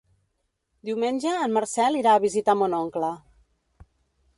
Diumenge en Marcel irà a visitar mon oncle.